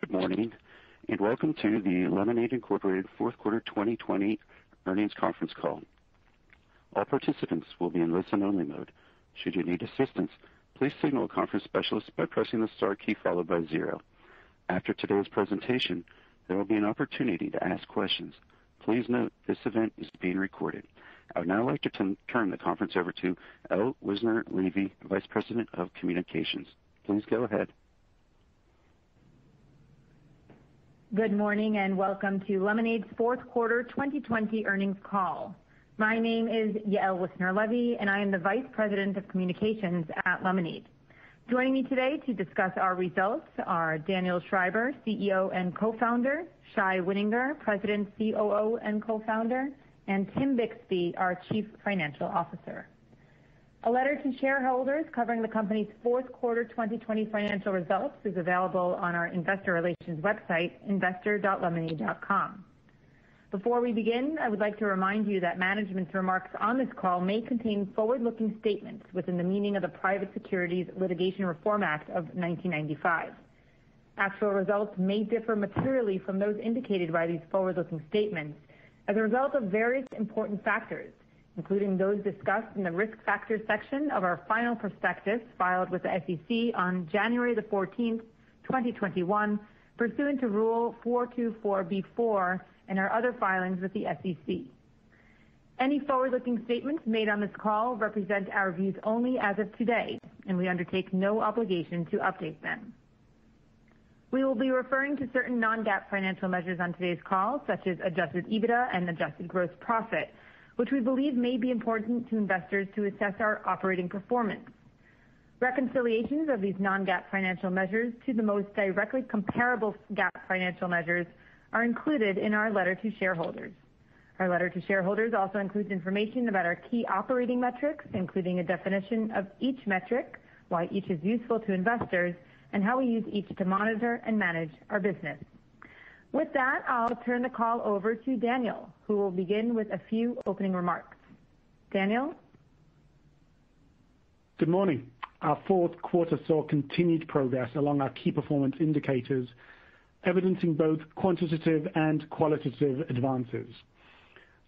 Good morning, welcome to the Lemonade, Incorporated fourth quarter 2020 earnings conference call. All participants will be in listen-only mode. Should you need assistance, please signal a conference specialist by pressing the star key followed by zero. After today's presentation, there will be an opportunity to ask questions. Please note this event is being recorded. I would now like to turn the conference over to Yael Wissner-Levy, Vice President of Communications. Please go ahead. Good morning, and welcome to Lemonade's fourth quarter 2020 earnings call. My name is Yael Wissner-Levy, and I am the Vice President of Communications at Lemonade. Joining me today to discuss our results are Daniel Schreiber, CEO and co-founder, Shai Wininger, President, COO, and co-founder, and Tim Bixby, our Chief Financial Officer. A letter to shareholders covering the company's fourth quarter 2020 financial results is available on our investor relations website, investor.lemonade.com. Before we begin, I would like to remind you that management's remarks on this call may contain forward-looking statements within the meaning of the Private Securities Litigation Reform Act of 1995. Actual results may differ materially from those indicated by these forward-looking statements as a result of various important factors, including those discussed in the Risk Factors section of our final prospectus filed with the SEC on January the 14th, 2021, pursuant to Rule 424(b)(4) and our other filings with the SEC. Any forward-looking statements made on this call represent our views only as of today. We undertake no obligation to update them. We will be referring to certain non-GAAP financial measures on today's call, such as adjusted EBITDA and adjusted gross profit, which we believe may be important to investors to assess our operating performance. Reconciliations of these non-GAAP financial measures to the most directly comparable GAAP financial measures are included in our letter to shareholders. Our letter to shareholders also includes information about our key operating metrics, including a definition of each metric, why each is useful to investors, and how we use each to monitor and manage our business. With that, I'll turn the call over to Daniel, who will begin with a few opening remarks. Daniel? Good morning. Our fourth quarter saw continued progress along our key performance indicators, evidencing both quantitative and qualitative advances.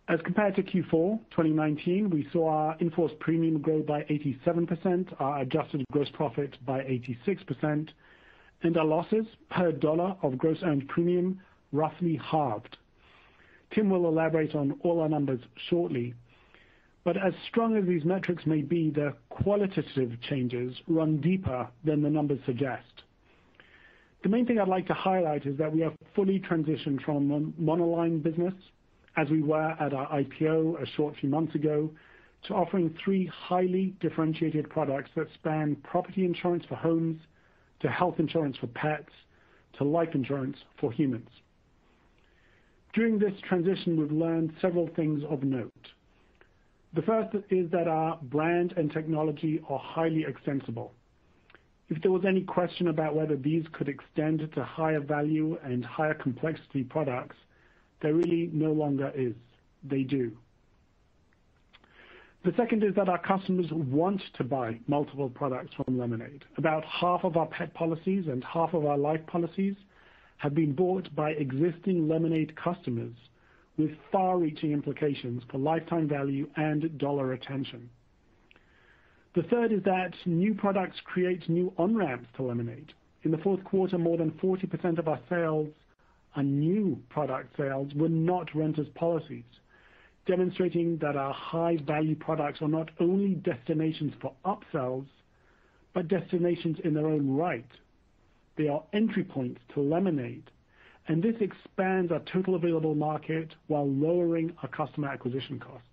As compared to Q4 2019, we saw our in force premium grow by 87%, our adjusted gross profit by 86%, and our losses per dollar of gross earned premium roughly halved. Tim will elaborate on all our numbers shortly, but as strong as these metrics may be, the qualitative changes run deeper than the numbers suggest. The main thing I'd like to highlight is that we have fully transitioned from a monoline business as we were at our IPO a short few months ago, to offering three highly differentiated products that span property insurance for homes, to health insurance for pets, to life insurance for humans. During this transition, we've learned several things of note. The first is that our brand and technology are highly extensible. If there was any question about whether these could extend to higher value and higher complexity products, there really no longer is. They do. The second is that our customers want to buy multiple products from Lemonade. About half of our pet policies and half of our life policies have been bought by existing Lemonade customers with far-reaching implications for lifetime value and dollar retention. The third is that new products create new on-ramps to Lemonade. In the fourth quarter, more than 40% of our sales are new product sales were not renters policies, demonstrating that our high-value products are not only destinations for upsells, but destinations in their own right. They are entry points to Lemonade, and this expands our total available market while lowering our customer acquisition costs.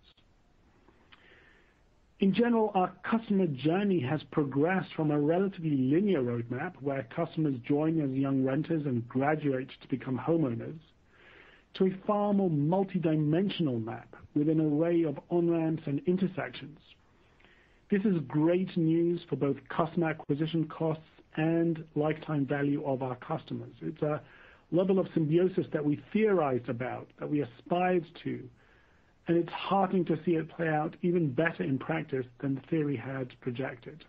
In general, our customer journey has progressed from a relatively linear roadmap where customers join as young renters and graduate to become homeowners, to a far more multidimensional map with an array of on-ramps and intersections. This is great news for both customer acquisition costs and lifetime value of our customers. It's a level of symbiosis that we theorized about, that we aspired to, and it's heartening to see it play out even better in practice than the theory had projected.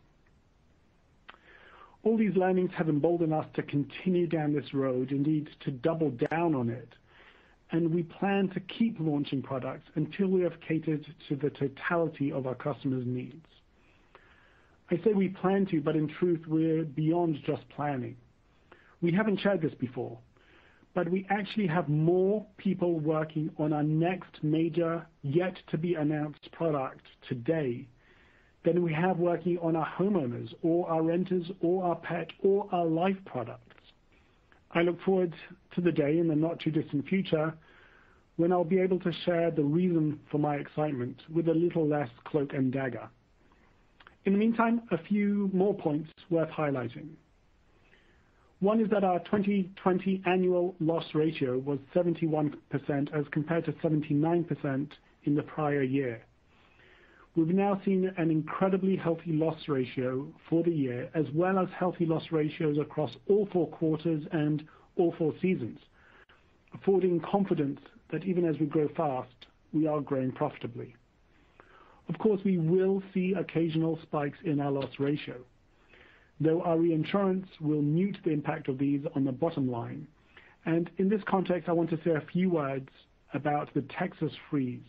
All these learnings have emboldened us to continue down this road, indeed, to double down on it. We plan to keep launching products until we have catered to the totality of our customers' needs. I say we plan to, but in truth, we're beyond just planning. We actually have more people working on our next major yet to be announced product today than we have working on our homeowners or our renters or our pet or our life products. I look forward to the day in the not too distant future when I'll be able to share the reason for my excitement with a little less cloak and dagger. In the meantime, a few more points worth highlighting. One is that our 2020 annual loss ratio was 71% as compared to 79% in the prior year. We've now seen an incredibly healthy loss ratio for the year, as well as healthy loss ratios across all four quarters and all four seasons, affording confidence that even as we grow fast, we are growing profitably. Of course, we will see occasional spikes in our loss ratio, though our insurance will mute the impact of these on the bottom line. In this context, I want to say a few words about the Texas freeze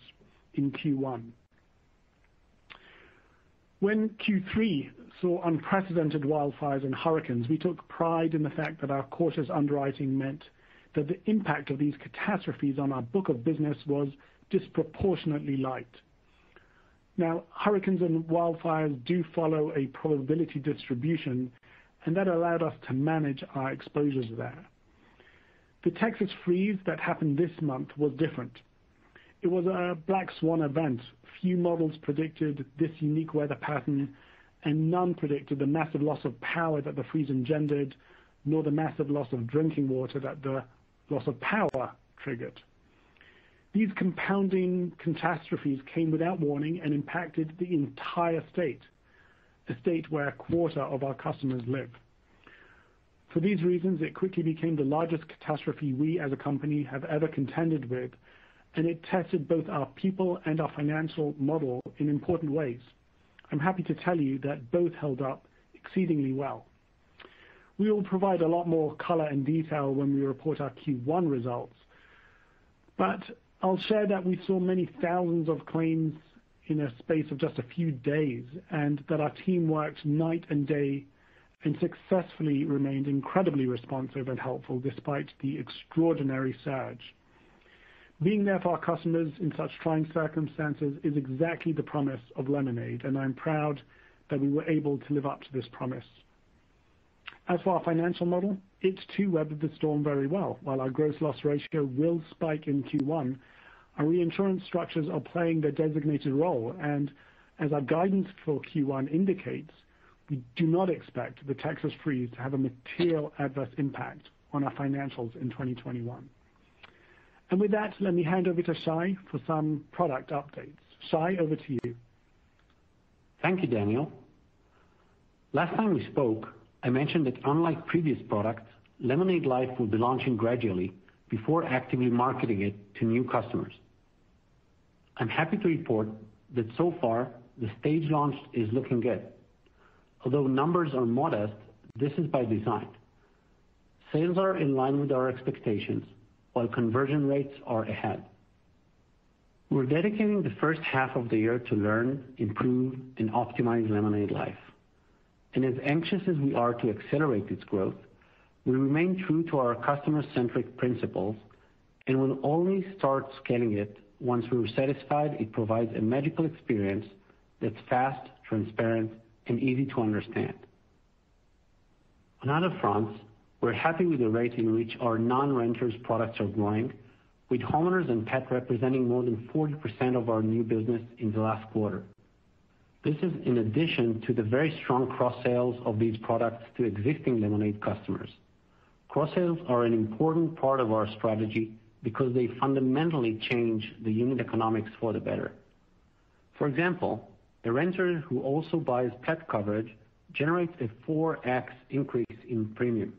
in Q1. When Q3 saw unprecedented wildfires and hurricanes, we took pride in the fact that our cautious underwriting meant that the impact of these catastrophes on our book of business was disproportionately light. Hurricanes and wildfires do follow a probability distribution, and that allowed us to manage our exposures there. The Texas freeze that happened this month was different. It was a black swan event. Few models predicted this unique weather pattern, and none predicted the massive loss of power that the freeze engendered, nor the massive loss of drinking water that the loss of power triggered. These compounding catastrophes came without warning and impacted the entire state, the state where a quarter of our customers live. For these reasons, it quickly became the largest catastrophe we as a company have ever contended with, and it tested both our people and our financial model in important ways. I'm happy to tell you that both held up exceedingly well. We will provide a lot more color and detail when we report our Q1 results, but I'll share that we saw many thousands of claims in a space of just a few days, and that our team worked night and day and successfully remained incredibly responsive and helpful despite the extraordinary surge. Being there for our customers in such trying circumstances is exactly the promise of Lemonade, and I'm proud that we were able to live up to this promise. As for our financial model, it too weathered the storm very well. While our gross loss ratio will spike in Q1, our reinsurance structures are playing their designated role. As our guidance for Q1 indicates, we do not expect the Texas Freeze to have a material adverse impact on our financials in 2021. With that, let me hand over to Shai for some product updates. Shai, over to you. Thank you, Daniel. Last time we spoke, I mentioned that unlike previous products, Lemonade Life will be launching gradually before actively marketing it to new customers. I'm happy to report that so far the staged launch is looking good. Although numbers are modest, this is by design. Sales are in line with our expectations, while conversion rates are ahead. We're dedicating the first half of the year to learn, improve, and optimize Lemonade Life. As anxious as we are to accelerate its growth, we remain true to our customer-centric principles and will only start scaling it once we're satisfied it provides a magical experience that's fast, transparent, and easy to understand. On other fronts, we're happy with the rate in which our non-renters products are growing with homeowners and pet representing more than 40% of our new business in the last quarter. This is in addition to the very strong cross-sales of these products to existing Lemonade customers. Cross-sales are an important part of our strategy because they fundamentally change the unit economics for the better. For example, a renter who also buys pet coverage generates a 4x increase in premium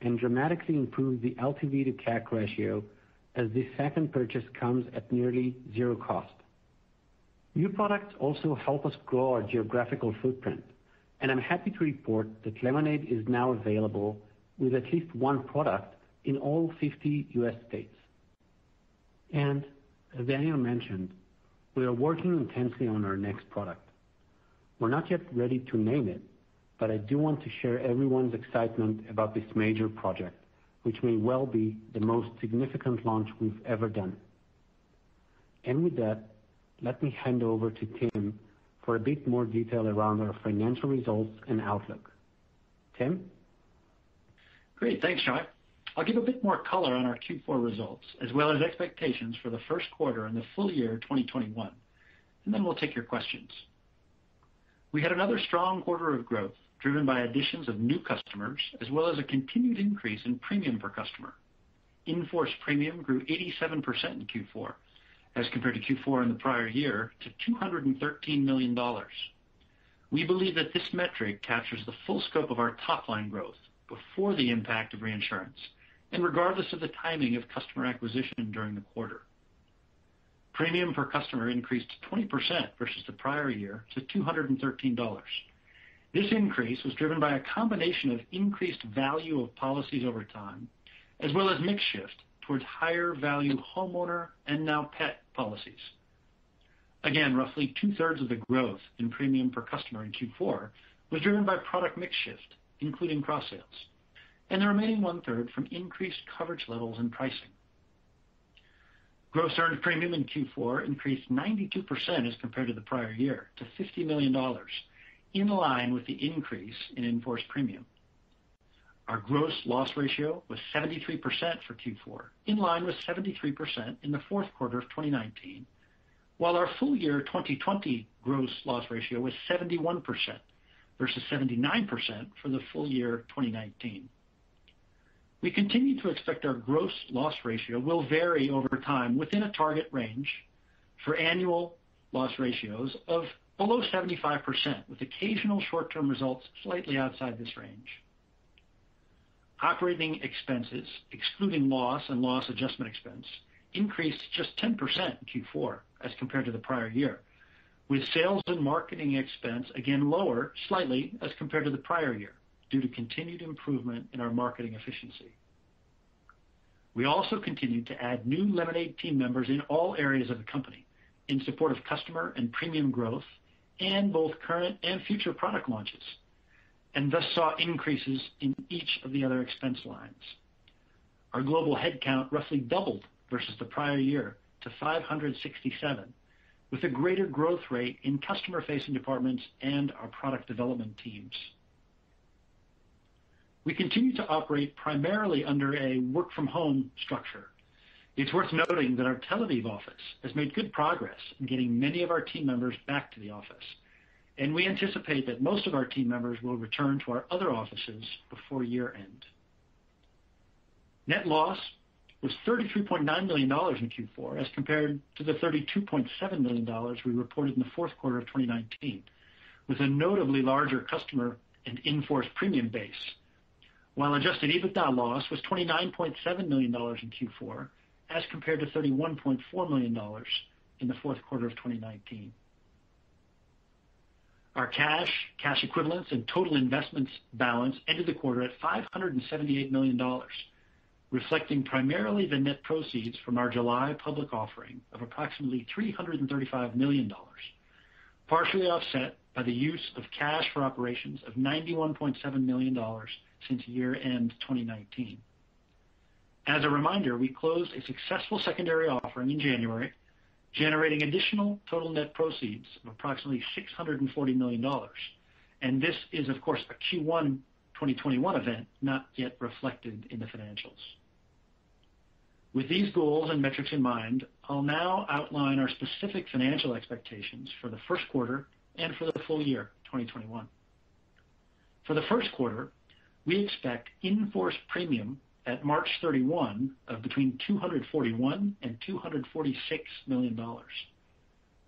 and dramatically improve the LTV to CAC ratio as the second purchase comes at nearly zero cost. New products also help us grow our geographical footprint, I'm happy to report that Lemonade is now available with at least one product in all 50 U.S. states. As Daniel mentioned, we are working intensely on our next product. We're not yet ready to name it, but I do want to share everyone's excitement about this major project, which may well be the most significant launch we've ever done. With that, let me hand over to Tim for a bit more detail around our financial results and outlook. Tim? Great. Thanks, Shai. Then we'll take your questions. I'll give a bit more color on our Q4 results as well as expectations for the first quarter and the full year 2021. We had another strong quarter of growth driven by additions of new customers, as well as a continued increase in premium per customer. in force premium grew 87% in Q4 as compared to Q4 in the prior year to $213 million. We believe that this metric captures the full scope of our top-line growth before the impact of reinsurance and regardless of the timing of customer acquisition during the quarter. premium per customer increased 20% versus the prior year to $213. This increase was driven by a combination of increased value of policies over time, as well as mix shift towards higher-value homeowner and now pet policies. Roughly 2/3 of the growth in premium per customer in Q4 was driven by product mix shift, including cross-sales, and the remaining 1/3 from increased coverage levels and pricing. Gross earned premium in Q4 increased 92% as compared to the prior year to $50 million in line with the increase in in force premium. Our gross loss ratio was 73% for Q4, in line with 73% in the fourth quarter of 2019. Our full year 2020 gross loss ratio was 71% versus 79% for the full year 2019. We continue to expect our gross loss ratio will vary over time within a target range for annual loss ratios of below 75%, with occasional short-term results slightly outside this range. Operating expenses, excluding loss and loss adjustment expense, increased just 10% in Q4 as compared to the prior year, with sales and marketing expense again lower slightly as compared to the prior year due to continued improvement in our marketing efficiency. We also continued to add new Lemonade team members in all areas of the company in support of customer and premium growth and both current and future product launches, and thus saw increases in each of the other expense lines. Our global headcount roughly doubled versus the prior year to 567, with a greater growth rate in customer-facing departments and our product development teams. We continue to operate primarily under a work-from-home structure. It's worth noting that our Tel Aviv office has made good progress in getting many of our team members back to the office, and we anticipate that most of our team members will return to our other offices before year-end. Net loss was $33.9 million in Q4 as compared to the $32.7 million we reported in the fourth quarter of 2019, with a notably larger customer and in force premium base, while adjusted EBITDA loss was $29.7 million in Q4 as compared to $31.4 million in the fourth quarter of 2019. Our cash equivalents, and total investments balance ended the quarter at $578 million, reflecting primarily the net proceeds from our July public offering of approximately $335 million, partially offset by the use of cash for operations of $91.7 million since year end 2019. As a reminder, we closed a successful secondary offering in January, generating additional total net proceeds of approximately $640 million. This is, of course, a Q1 2021 event not yet reflected in the financials. With these goals and metrics in mind, I'll now outline our specific financial expectations for the first quarter and for the full year 2021. For the first quarter, we expect in force premium at March 31 of between $241 million and $246 million,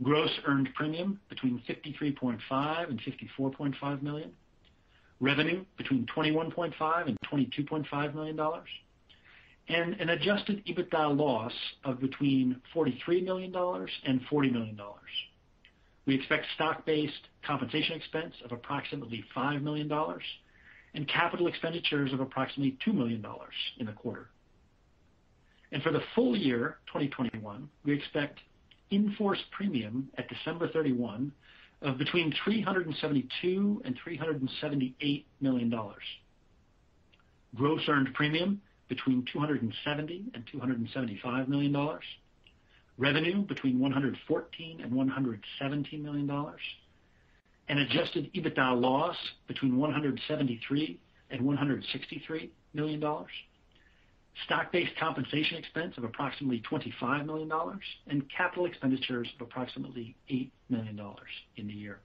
gross earned premium between $53.5 million and $54.5 million, revenue between $21.5 million and $22.5 million, and an adjusted EBITDA loss of between $43 million and $40 million. We expect stock-based compensation expense of approximately $5 million and capital expenditures of approximately $2 million in the quarter. For the full year 2021, we expect in force premium at December 31 of between $372 million and $378 million, gross earned premium between $270 million and $275 million, revenue between $114 million and $117 million, and adjusted EBITDA loss between $173 million and $163 million, stock-based compensation expense of approximately $25 million and capital expenditures of approximately $8 million in the year.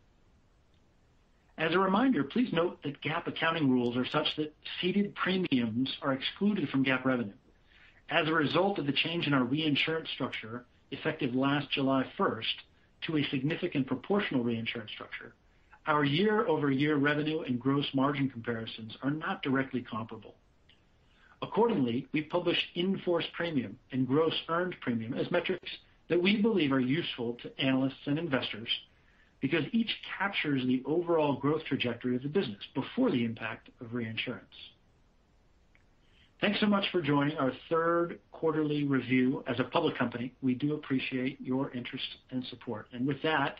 As a reminder, please note that GAAP accounting rules are such that ceded premium are excluded from GAAP revenue. As a result of the change in our reinsurance structure effective last July 1st to a significant proportional reinsurance structure, our year-over-year revenue and gross margin comparisons are not directly comparable. Accordingly, we publish in force premium and gross earned premium as metrics that we believe are useful to analysts and investors because each captures the overall growth trajectory of the business before the impact of reinsurance. Thanks so much for joining our third quarterly review as a public company. We do appreciate your interest and support. With that,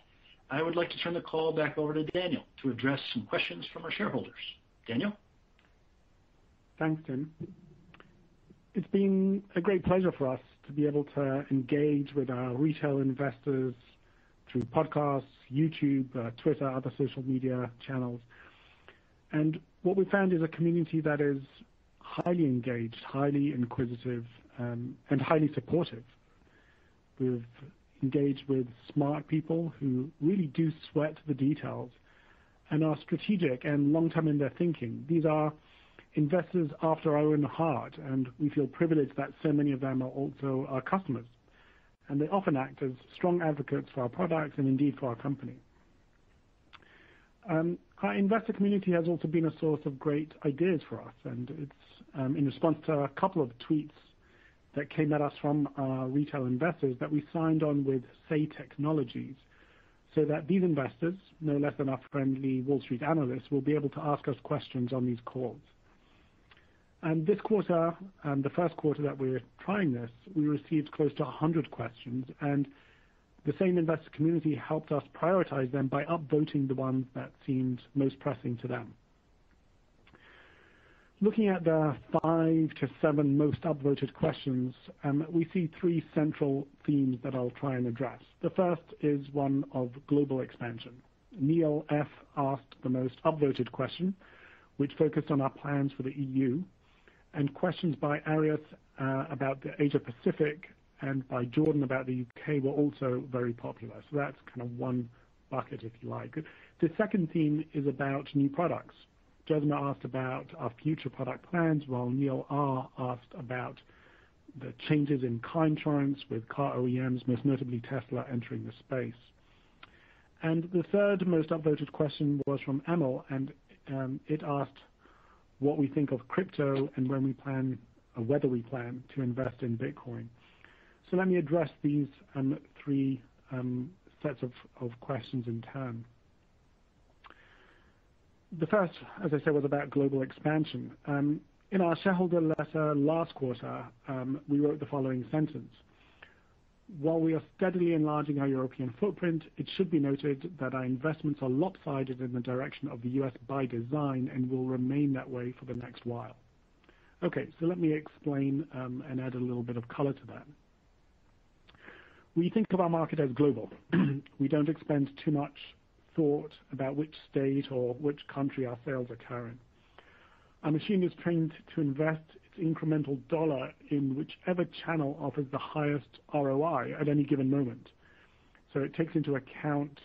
I would like to turn the call back over to Daniel to address some questions from our shareholders. Daniel? Thanks, Tim. It's been a great pleasure for us to be able to engage with our retail investors through podcasts, YouTube, Twitter, other social media channels. What we found is a community that is highly engaged, highly inquisitive, and highly supportive. We've engaged with smart people who really do sweat the details and are strategic and long-term in their thinking. These are investors after our own heart, and we feel privileged that so many of them are also our customers, and they often act as strong advocates for our products and indeed for our company. Our investor community has also been a source of great ideas for us. It's in response to a couple of tweets that came at us from our retail investors that we signed on with Say Technologies so that these investors, no less than our friendly Wall Street analysts, will be able to ask us questions on these calls. This quarter, the first quarter that we're trying this, we received close to 100 questions. The same investor community helped us prioritize them by upvoting the ones that seemed most pressing to them. Looking at the five to seven most upvoted questions, we see three central themes that I'll try and address. The first is one of global expansion. Neil F asked the most upvoted question, which focused on our plans for the EU, and questions by Arius about the Asia-Pacific and by Jordan about the U.K. were also very popular. That's kind of one bucket, if you like. The second theme is about new products. Jesmer asked about our future product plans, while Neil R asked about the changes in car insurance with car OEMs, most notably Tesla entering the space. The third most upvoted question was from Emil, and it asked what we think of crypto and whether we plan to invest in Bitcoin. Let me address these three sets of questions in turn. The first, as I said, was about global expansion. In our shareholder letter last quarter, we wrote the following sentence. While we are steadily enlarging our European footprint, it should be noted that our investments are lopsided in the direction of the U.S. by design and will remain that way for the next while. Let me explain and add a little bit of color to that. We think of our market as global. We don't expend too much thought about which state or which country our sales occur in. Our machine is trained to invest its incremental dollar in whichever channel offers the highest ROI at any given moment. It takes into account,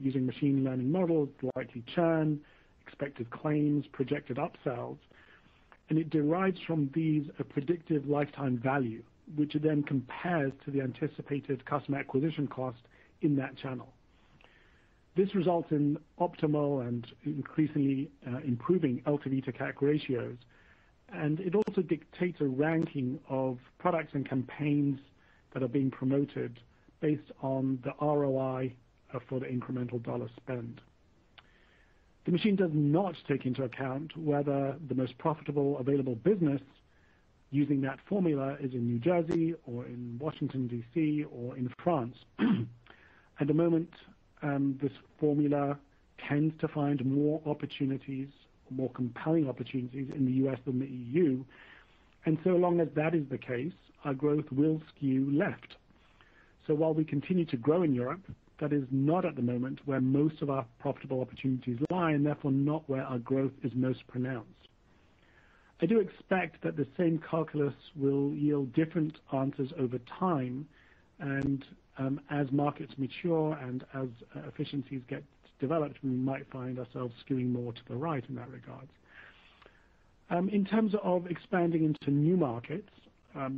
using machine learning models, likely churn, expected claims, projected upsells, and it derives from these a predicted lifetime value, which it then compares to the anticipated customer acquisition cost in that channel. This results in optimal and increasingly improving LTV to CAC ratios. It also dictates a ranking of products and campaigns that are being promoted based on the ROI for the incremental dollar spend. The machine does not take into account whether the most profitable available business using that formula is in New Jersey or in Washington, D.C., or in France. At the moment, this formula tends to find more compelling opportunities in the U.S. than the EU, and so long as that is the case, our growth will skew left. While we continue to grow in Europe, that is not at the moment where most of our profitable opportunities lie and therefore not where our growth is most pronounced. I do expect that the same calculus will yield different answers over time and as markets mature and as efficiencies get developed, we might find ourselves skewing more to the right in that regard. In terms of expanding into new markets,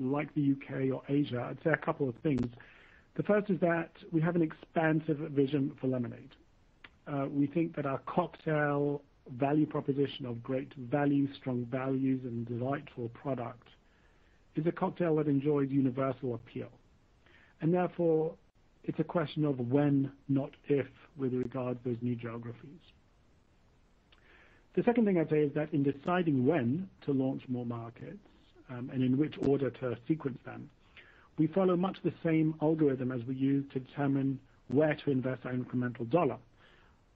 like the U.K. or Asia, I'd say a couple of things. The first is that we have an expansive vision for Lemonade. We think that our cocktail value proposition of great value, strong values and delightful product is a cocktail that enjoys universal appeal. Therefore it's a question of when, not if, with regard to those new geographies. The second thing I'd say is that in deciding when to launch more markets, and in which order to sequence them, we follow much the same algorithm as we use to determine where to invest our incremental dollar.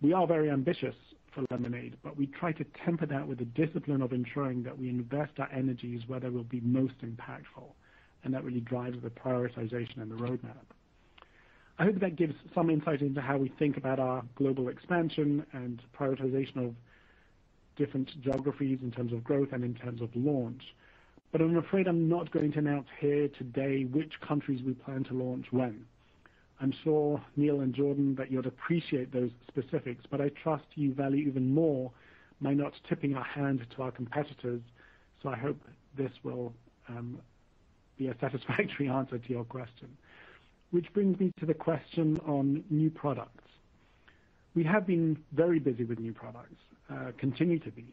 We are very ambitious for Lemonade, but we try to temper that with the discipline of ensuring that we invest our energies where they will be most impactful, and that really drives the prioritization and the roadmap. I hope that gives some insight into how we think about our global expansion and prioritization of different geographies in terms of growth and in terms of launch. I'm afraid I'm not going to announce here today which countries we plan to launch when. I'm sure, Neil and Jordan, that you'd appreciate those specifics, but I trust you value even more my not tipping our hand to our competitors, so I hope this will be a satisfactory answer to your question. Which brings me to the question on new products. We have been very busy with new products, continue to be.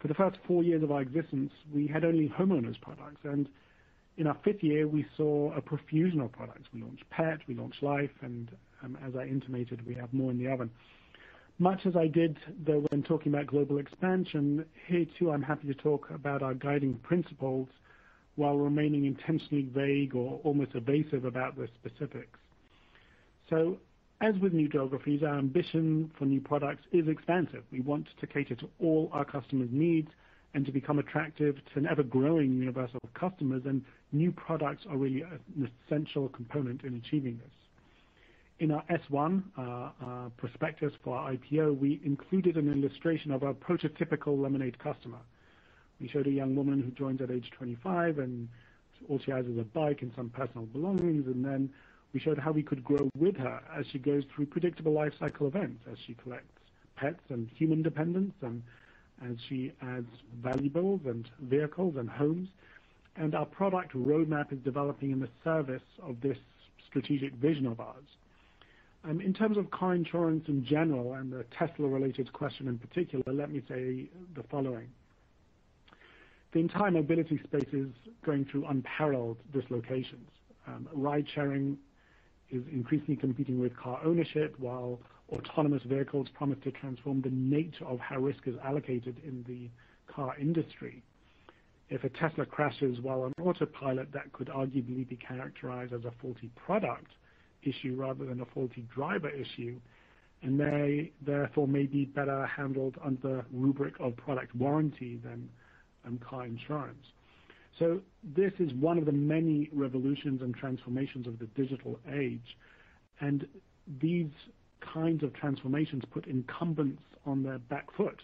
For the first four years of our existence, we had only homeowners products, and in our fifth year, we saw a profusion of products. We launched pet, we launched life, and as I intimated, we have more in the oven. Much as I did, though, when talking about global expansion, here too, I'm happy to talk about our guiding principles while remaining intentionally vague or almost evasive about the specifics. As with new geographies, our ambition for new products is expansive. We want to cater to all our customers' needs and to become attractive to an ever-growing universe of customers and new products are really an essential component in achieving this. In our S-1 prospectus for our IPO, we included an illustration of our prototypical Lemonade customer. We showed a young woman who joins at age 25, and all she has is a bike and some personal belongings, and then we showed how we could grow with her as she goes through predictable life cycle events, as she collects pets and human dependents, and as she adds valuables and vehicles and homes. Our product roadmap is developing in the service of this strategic vision of ours. In terms of car insurance in general and the Tesla related question in particular, let me say the following. The entire mobility space is going through unparalleled dislocations. Ride sharing is increasingly competing with car ownership while autonomous vehicles promise to transform the nature of how risk is allocated in the car industry. If a Tesla crashes while on autopilot, that could arguably be characterized as a faulty product issue rather than a faulty driver issue, and may therefore be better handled under rubric of product warranty than car insurance. This is one of the many revolutions and transformations of the digital age, and these kinds of transformations put incumbents on their back foot,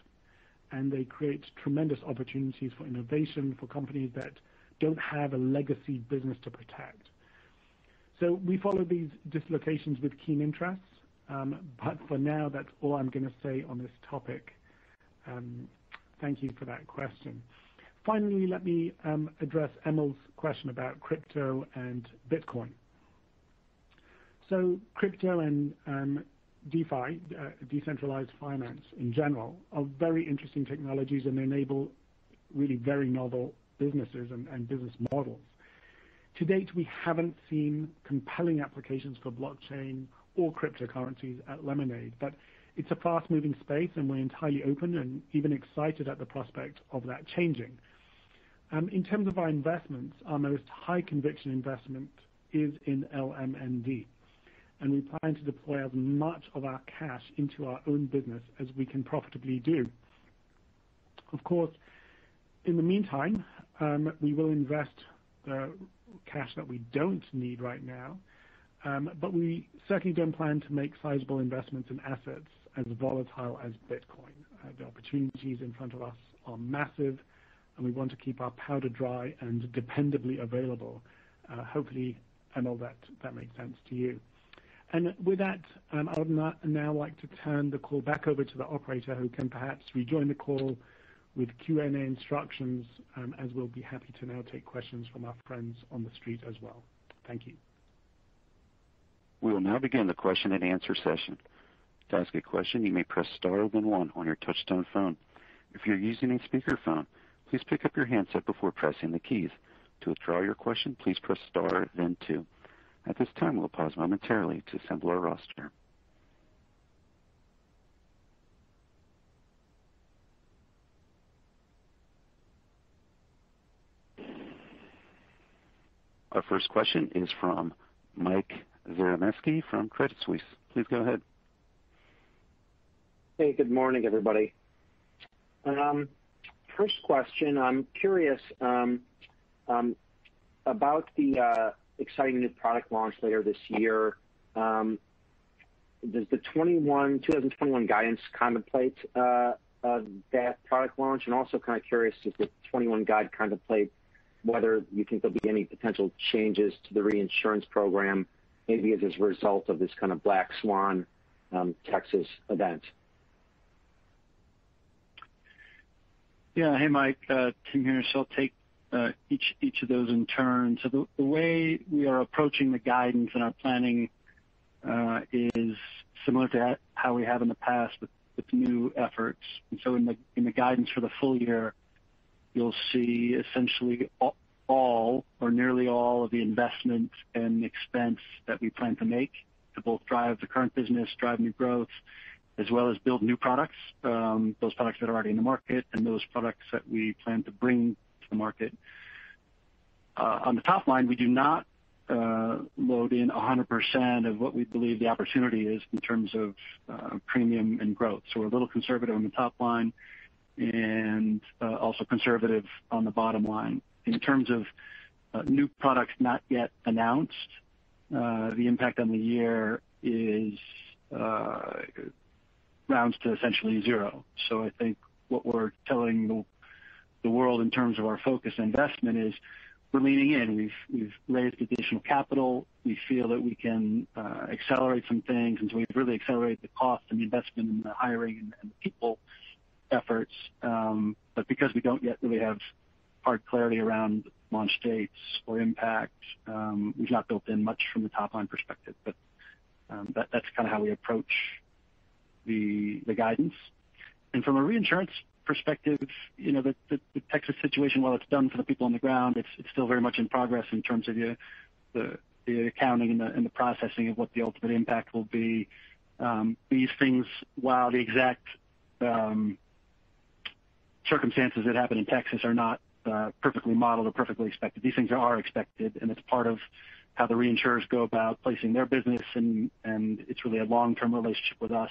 and they create tremendous opportunities for innovation for companies that don't have a legacy business to protect. We follow these dislocations with keen interest, but for now, that's all I'm gonna say on this topic. Thank you for that question. Let me address Emil's question about crypto and Bitcoin. Crypto and DeFi, decentralized finance in general, are very interesting technologies, and they enable really very novel businesses and business models. To date, we haven't seen compelling applications for blockchain or cryptocurrencies at Lemonade. It's a fast-moving space, and we're entirely open and even excited at the prospect of that changing. In terms of our investments, our most high conviction investment is in LMND. We plan to deploy as much of our cash into our own business as we can profitably do. Of course, in the meantime, we will invest the cash that we don't need right now. We certainly don't plan to make sizable investments in assets as volatile as Bitcoin. The opportunities in front of us are massive, and we want to keep our powder dry and dependably available. Hopefully, Emil, that makes sense to you. With that, I would now like to turn the call back over to the operator, who can perhaps rejoin the call with Q&A instructions, as we'll be happy to now take questions from our friends on the street as well. Thank you. We will now begin the question-and-answer session. To ask a question you may press star one one on your touch-tone phone. If you are using a speakerphone, please pick up your handset before pressing the keys. To withdraw your question, please press star then two. We will pause momentarily to assemble the roster. Our first question is from Mike Zaremski from Credit Suisse. Please go ahead. Hey, good morning, everybody. First question, I'm curious about the exciting new product launch later this year. Does the 2021 guidance contemplate that product launch? Also kind of curious, does the 2021 guide contemplate whether you think there'll be any potential changes to the reinsurance program, maybe as a result of this kind of black swan Texas event? Yeah. Hey, Mike. Tim here. I'll take each of those in turn. The way we are approaching the guidance and our planning is similar to how we have in the past with new efforts. In the guidance for the full year, you'll see essentially all or nearly all of the investments and expense that we plan to make to both drive the current business, drive new growth, as well as build new products, those products that are already in the market and those products that we plan to bring to the market. On the top line, we do not load in 100% of what we believe the opportunity is in terms of premium and growth. We're a little conservative on the top line and also conservative on the bottom line. In terms of new products not yet announced, the impact on the year rounds to essentially zero. I think what we're telling the world in terms of our focus on investment is we're leaning in. We've raised additional capital. We feel that we can accelerate some things, we've really accelerated the cost and the investment in the hiring and the people efforts. Because we don't yet really have hard clarity around launch dates or impact, we've not built in much from a top-line perspective. That's kind of how we approach the guidance. From a reinsurance perspective, the Texas situation, while it's done for the people on the ground, it's still very much in progress in terms of the accounting and the processing of what the ultimate impact will be. While the exact circumstances that happened in Texas are not perfectly modeled or perfectly expected, these things are expected, and it's part of how the reinsurers go about placing their business, and it's really a long-term relationship with us.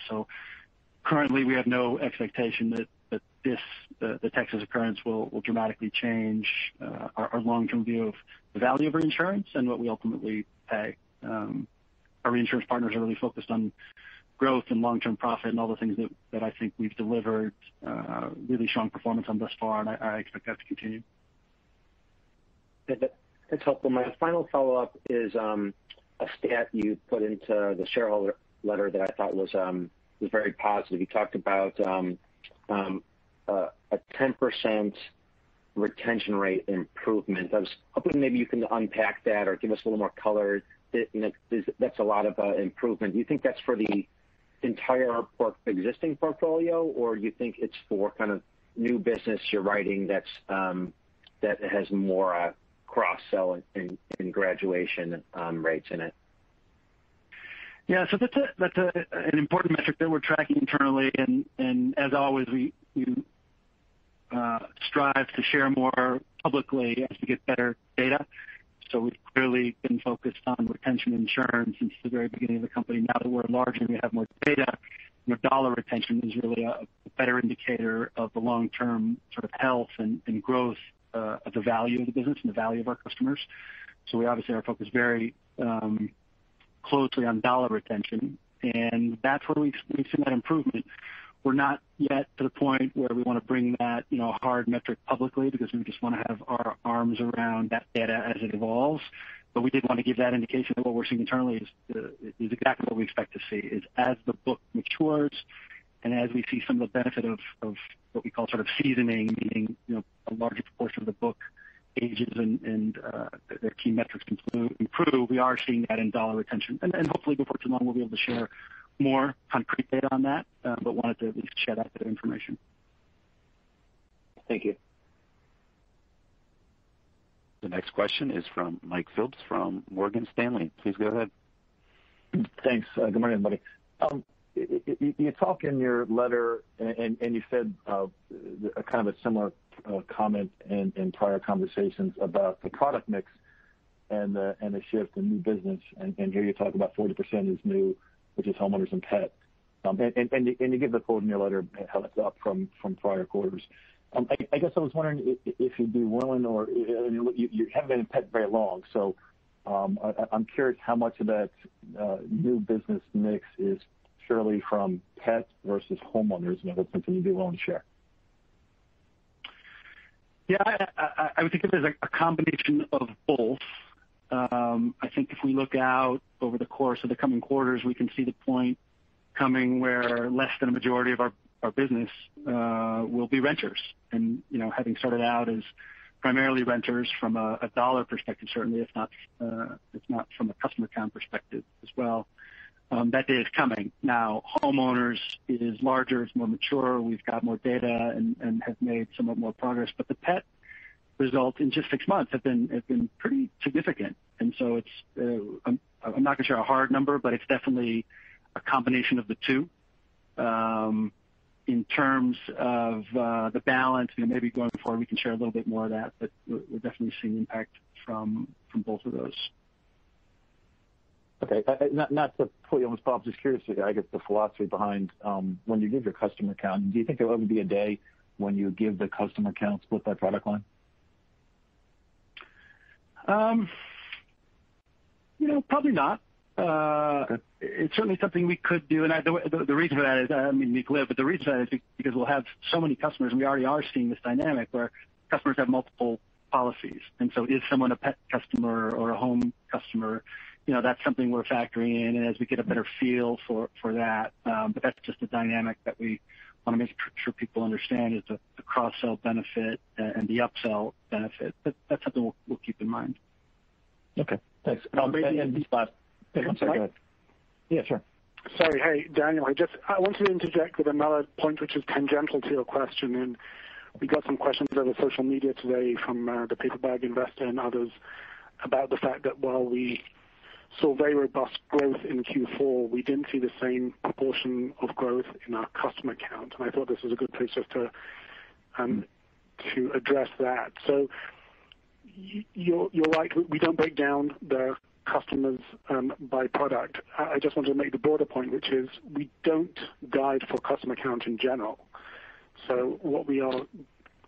Currently, we have no expectation that the Texas occurrence will dramatically change our long-term view of the value of reinsurance and what we ultimately pay. Our reinsurance partners are really focused on growth and long-term profit and all the things that I think we've delivered really strong performance on thus far, and I expect that to continue. That's helpful. My final follow-up is a stat you put into the shareholder letter that I thought was very positive. You talked about a 10% retention rate improvement. I was hoping maybe you can unpack that or give us a little more color. That's a lot of improvement. Do you think that's for the entire existing portfolio, or you think it's for kind of new business you're writing that has more cross-sell and graduation rates in it? Yeah. That's an important metric that we're tracking internally. As always, we strive to share more publicly as we get better data. We've clearly been focused on retention and churn since the very beginning of the company. Now that we're larger and we have more data, Net Dollar Retention is really a better indicator of the long-term sort of health and growth of the value of the business and the value of our customers. We obviously are focused very closely on dollar retention, and that's where we've seen that improvement. We're not yet to the point where we want to bring that hard metric publicly because we just want to have our arms around that data as it evolves. We did want to give that indication that what we're seeing internally is exactly what we expect to see is as the book matures and as we see some of the benefit of what we call sort of seasoning, meaning a larger portion of the book ages and their key metrics improve. We are seeing that in dollar retention, and hopefully before too long, we'll be able to share more concrete data on that. Wanted to at least share that bit of information. Thank you. The next question is from Mike Phillips from Morgan Stanley. Please go ahead. Thanks. Good morning, everybody. You talk in your letter, you said a similar comment in prior conversations about the product mix and the shift in new business. Here you talk about 40% is new, which is homeowners and pet. You give the quote in your letter, how that's up from prior quarters. I guess I was wondering if you'd be willing or, you haven't been in Pet very long, so I'm curious how much of that new business mix is purely from pet versus homeowners, and hopefully something you'd be willing to share. Yeah. I would think of it as a combination of both. I think if we look out over the course of the coming quarters, we can see the point coming where less than a majority of our business will be renters. Having started out as primarily renters from a dollar perspective, certainly, if not from a customer count perspective as well, that day is coming. Now, homeowners is larger, it's more mature, we've got more data and have made somewhat more progress, but the pet results in just six months have been pretty significant. I'm not going to share a hard number, but it's definitely a combination of the two. In terms of the balance, maybe going forward, we can share a little bit more of that, but we're definitely seeing impact from both of those. Okay. Not to put you on the spot, just curious to the philosophy behind when you give your customer count, do you think there will ever be a day when you give the customer count split by product line? Probably not. Okay. It's certainly something we could do. The reason for that is because we'll have so many customers. We already are seeing this dynamic where customers have multiple policies. Is someone a pet customer or a home customer? That's something we're factoring in as we get a better feel for that. That's just a dynamic that we want to make sure people understand is the cross-sell benefit and the upsell benefit. That's something we'll keep in mind. Okay, thanks. One second. Yeah, sure. Sorry. Hey, Daniel, I wanted to interject with another point which is tangential to your question. We got some questions over social media today from the Paper Bag Investor and others about the fact that while we saw very robust growth in Q4, we didn't see the same proportion of growth in our customer count. I thought this was a good place just to address that. You're right. We don't break down the customers by product. I just wanted to make the broader point, which is we don't guide for customer count in general. What we are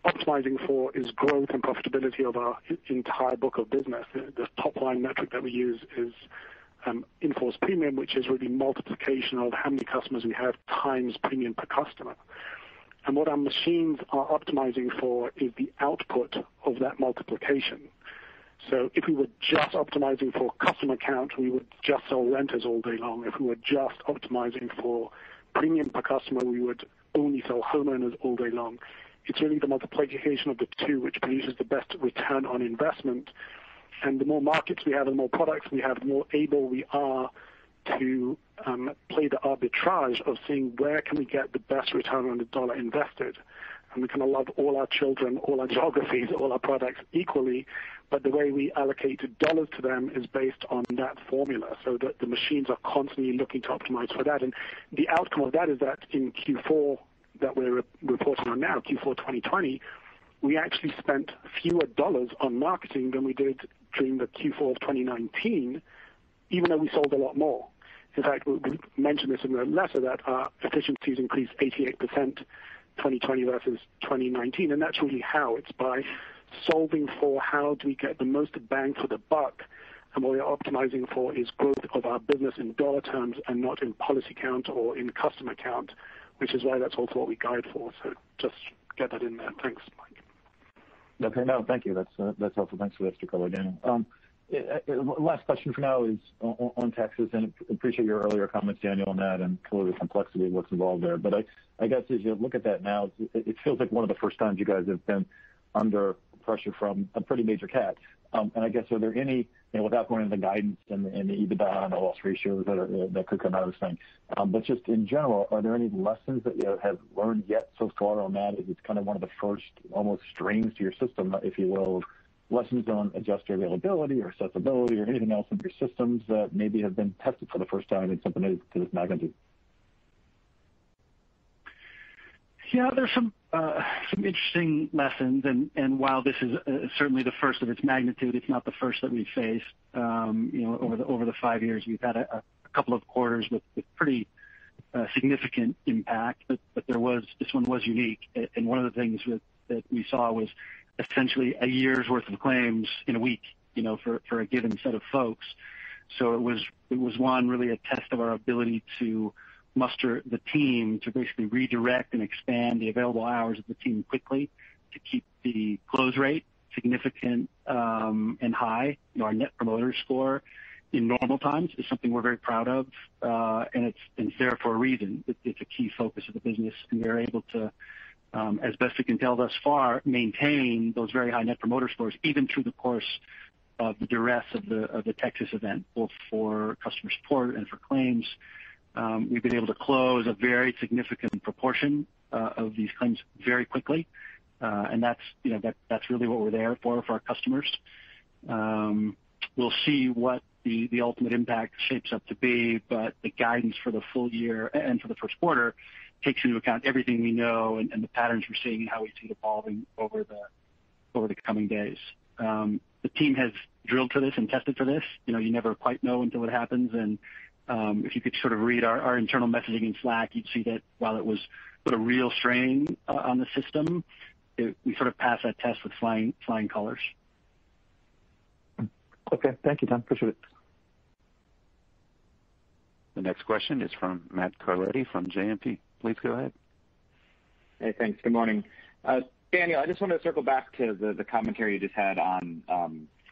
optimizing for is growth and profitability of our entire book of business. The top-line metric that we use is in force premium, which is really multiplication of how many customers we have times premium per customer. What our machines are optimizing for is the output of that multiplication. If we were just optimizing for customer count, we would just sell renters all day long. If we were just optimizing for premium per customer, we would only sell homeowners all day long. It's really the multiplication of the two which produces the best return on investment. The more markets we have, the more products we have, the more able we are to play the arbitrage of seeing where can we get the best return on the dollar invested. We kind of love all our children, all our geographies, all our products equally, but the way we allocate the dollars to them is based on that formula, so the machines are constantly looking to optimize for that. The outcome of that is that in Q4 that we're reporting on now, Q4 2020, we actually spent fewer dollars on marketing than we did during the Q4 of 2019, even though we sold a lot more. In fact, we mentioned this in the letter that our efficiencies increased 88% 2020 versus 2019. That's really how. It's by solving for how do we get the most bang for the buck, and what we are optimizing for is growth of our business in dollar terms and not in policy count or in customer count, which is why that's also what we guide for. Just get that in there. Thanks, Mike. Okay, no, thank you. That's helpful. Thanks for that extra color, Daniel. Last question for now is on taxes. Appreciate your earlier comments, Daniel, on that and color the complexity of what's involved there. I guess as you look at that now, it feels like one of the first times you guys have been under pressure from a pretty major cat. I guess, are there any, without going into the guidance and the EBITDA and the loss ratios that could come out of this thing, but just in general, are there any lessons that you have learned yet so far on that, as it's kind of one of the first almost strains to your system, if you will, lessons on adjust your availability or accessibility or anything else in your systems that maybe have been tested for the first time in something of this magnitude? Yeah, there's some interesting lessons, while this is certainly the first of its magnitude, it's not the first that we've faced. Over the five years, we've had a couple of quarters with pretty significant impact, but this one was unique. One of the things that we saw was essentially a year's worth of claims in a week for a given set of folks. It was, one, really a test of our ability to marshal the team to basically redirect and expand the available hours of the team quickly to keep the close rate significant and high. Our Net Promoter Score in normal times is something we're very proud of. It's been there for a reason. It's a key focus of the business, and we were able to, as best we can tell thus far, maintain those very high Net Promoter Scores even through the course of the duress of the Texas event, both for customer support and for claims. We've been able to close a very significant proportion of these claims very quickly, and that's really what we're there for our customers. We'll see what the ultimate impact shapes up to be, but the guidance for the full year and for the first quarter takes into account everything we know and the patterns we're seeing and how we see it evolving over the coming days. The team has drilled to this and tested for this. You never quite know until it happens, and if you could sort of read our internal messaging in Slack, you'd see that while it was put a real strain on the system, we sort of passed that test with flying colors. Okay. Thank you, Tim. Appreciate it. The next question is from Matt Carletti from JMP. Please go ahead. Hey, thanks. Good morning. Daniel, I just wanted to circle back to the commentary you just had on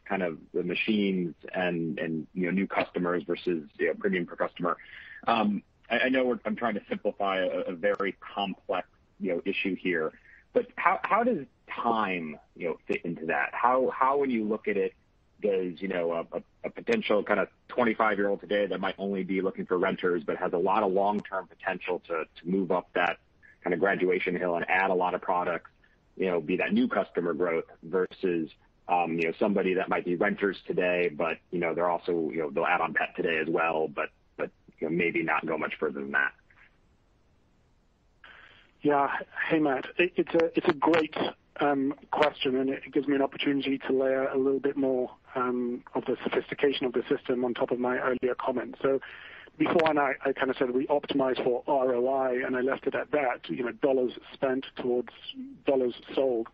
kind of the machines and new customers versus premium per customer. I know I'm trying to simplify a very complex issue here, but how does time fit into that? How would you look at it as a potential kind of 25-year-old today that might only be looking for renters but has a lot of long-term potential to move up that kind of graduation hill and add a lot of products, be that new customer growth versus somebody that might be renters today, but they'll add on pet today as well, but maybe not go much further than that? Yeah. Hey, Matt. It's a great question, and it gives me an opportunity to layer a little bit more of the sophistication of the system on top of my earlier comment. Before, and I kind of said we optimize for ROI, and I left it at that, dollars spent towards dollars sold.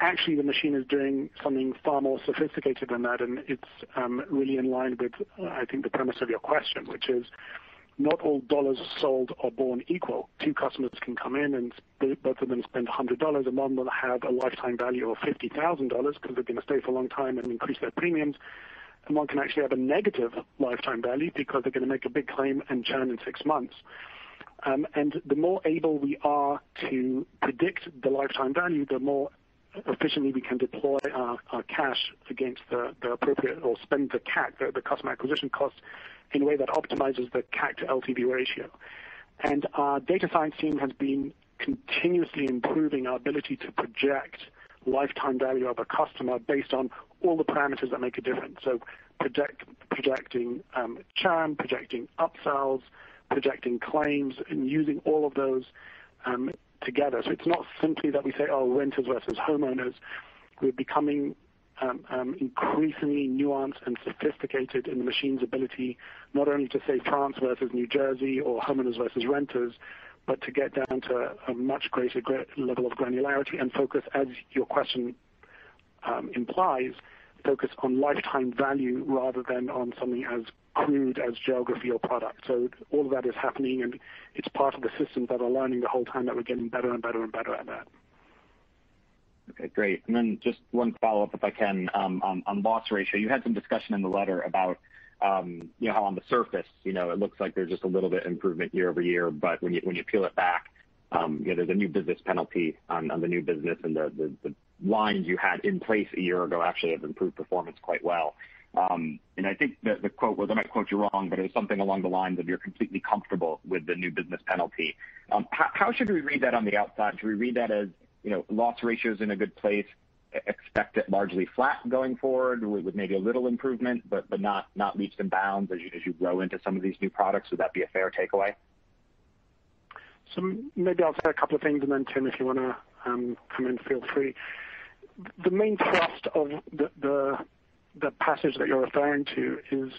Actually, the machine is doing something far more sophisticated than that, and it's really in line with, I think, the premise of your question, which is not all dollars sold are born equal. Two customers can come in and both of them spend $100. One will have a lifetime value of $50,000 because they're going to stay for a long time and increase their premiums. One can actually have a negative lifetime value because they're going to make a big claim and churn in six months. The more able we are to predict the lifetime value, the more efficiently we can deploy our cash against the appropriate or spend the CAC, the Customer Acquisition Cost, in a way that optimizes the CAC to LTV ratio. Our data science team has been continuously improving our ability to project lifetime value of a customer based on all the parameters that make a difference. Projecting churn, projecting upsells, projecting claims, and using all of those together. It's not simply that we say, oh, renters versus homeowners. We're becoming increasingly nuanced and sophisticated in the machine's ability, not only to say France versus New Jersey or homeowners versus renters, but to get down to a much greater level of granularity and focus, as your question implies, focus on lifetime value rather than on something as crude as geography or product. All of that is happening, and it's part of the systems that are learning the whole time that we're getting better and better and better at that. Okay, great. Then just one follow-up, if I can, on loss ratio. You had some discussion in the letter about how on the surface it looks like there's just a little bit of improvement year-over-year, but when you peel it back, there's a new business penalty on the new business and the lines you had in place a year ago actually have improved performance quite well. I think that the quote was, I might quote you wrong, but it was something along the lines of you're completely comfortable with the new business penalty. How should we read that on the outside? Should we read that as loss ratio's in a good place, expect it largely flat going forward with maybe a little improvement, but not leaps and bounds as you go into some of these new products? Would that be a fair takeaway? Maybe I'll say a couple of things, and then Tim, if you want to come in, feel free. The main thrust of the passage that you're referring to is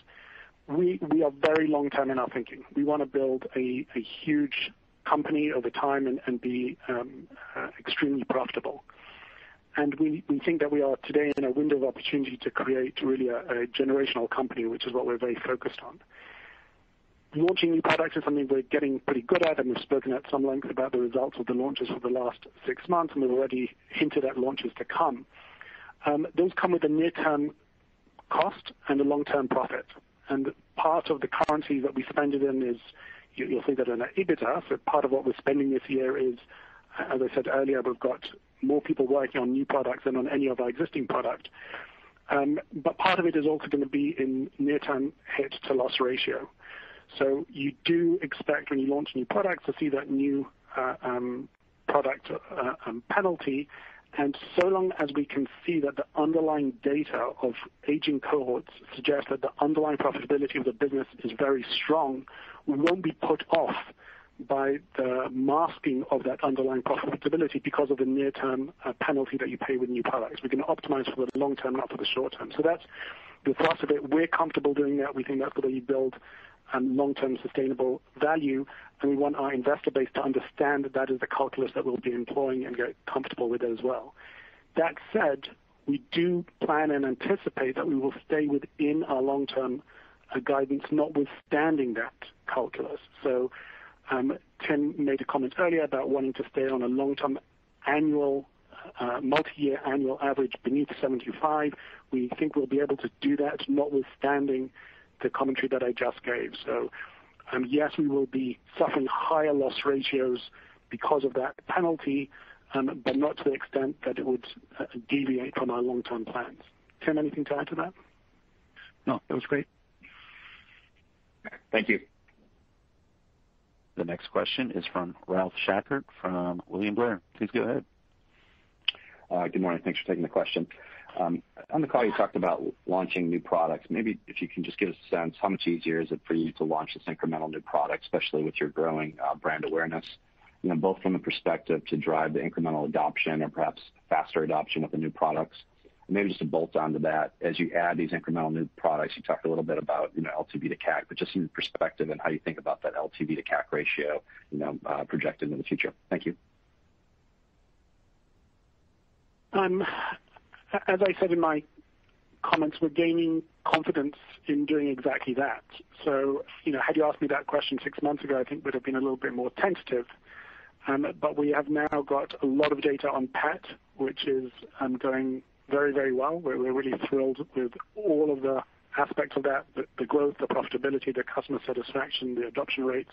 we are very long-term in our thinking. We want to build a huge company over time and be extremely profitable. We think that we are today in a window of opportunity to create really a generational company, which is what we're very focused on. Launching new products is something we're getting pretty good at, and we've spoken at some length about the results of the launches for the last six months, and we've already hinted at launches to come. Those come with a near-term cost and a long-term profit. Part of the currency that we spend it in is, you'll see that in our EBITDA. Part of what we're spending this year is, as I said earlier, we've got more people working on new products than on any of our existing product. Part of it is also going to be in near-term hit to loss ratio. You do expect when you launch new products to see that new product penalty. So long as we can see that the underlying data of aging cohorts suggest that the underlying profitability of the business is very strong, we won't be put off by the masking of that underlying profitability because of a near-term penalty that you pay with new products. We can optimize for the long term, not for the short term. That's the thrust of it. We're comfortable doing that. We think that's the way you build long-term sustainable value, and we want our investor base to understand that is the calculus that we'll be employing and get comfortable with it as well. That said, we do plan and anticipate that we will stay within our long-term guidance notwithstanding that calculus. Tim made a comment earlier about wanting to stay on a long-term annual, multi-year annual average beneath the 75%. We think we'll be able to do that notwithstanding the commentary that I just gave. Yes, we will be suffering higher loss ratios because of that penalty, but not to the extent that it would deviate from our long-term plans. Tim, anything to add to that? No, that was great. Thank you. The next question is from Ralph Schackart from William Blair. Please go ahead. Good morning. Thanks for taking the question. On the call, you talked about launching new products. If you can just give us a sense, how much easier is it for you to launch this incremental new product, especially with your growing brand awareness, both from the perspective to drive the incremental adoption or perhaps faster adoption of the new products? Just to bolt onto that, as you add these incremental new products, you talked a little bit about LTV to CAC, but just your perspective and how you think about that LTV to CAC ratio projected in the future. Thank you. As I said in my comments, we're gaining confidence in doing exactly that. Had you asked me that question six months ago, I think we'd have been a little bit more tentative. We have now got a lot of data on pet, which is doing very well. We're really thrilled with all of the aspects of that, the growth, the profitability, the customer satisfaction, the adoption rates,